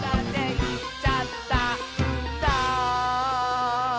「いっちゃったんだ」